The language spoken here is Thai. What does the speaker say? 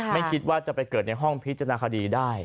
ไม่คิดว่าจะไปเกิดในห้องพิจารณาคดีได้